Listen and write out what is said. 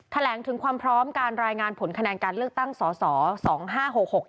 แขลงถึงความพร้อมการรายงานผลคะแนนการเลือกตั้งส๑๙๘๓อาหาร๒๕๖๖